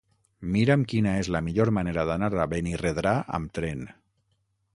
Mira'm quina és la millor manera d'anar a Benirredrà amb tren.